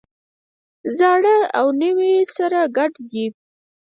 زاړه او نوي سره ګډ دي.